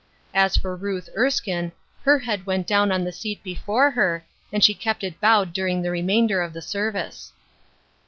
As for Ruth Erskine, her head went down on the seat before her, and she kept it bowed during the remainder of the service.